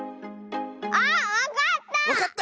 あっわかった！